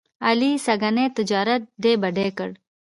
علي سږني تجارت ډۍ په ډۍ کړ.